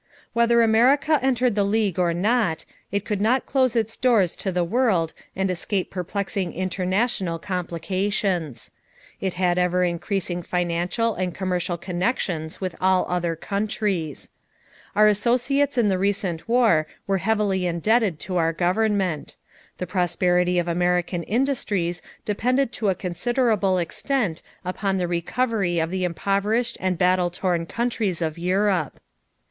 = Whether America entered the League or not, it could not close its doors to the world and escape perplexing international complications. It had ever increasing financial and commercial connections with all other countries. Our associates in the recent war were heavily indebted to our government. The prosperity of American industries depended to a considerable extent upon the recovery of the impoverished and battle torn countries of Europe.